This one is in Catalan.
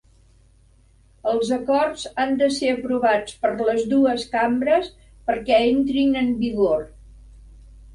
Els acords han de ser aprovats per les dues cambres perquè entrin en vigor.